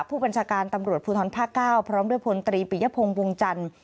ผู้บรรชการทำรวจพทข้าวพร้อมด้วยพปรียพงษ์พจันทร์